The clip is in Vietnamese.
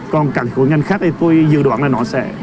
còn cả cái ngành khác tôi dự đoán là nó sẽ